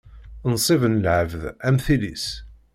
Nnṣib n lɛebd, am tili-s.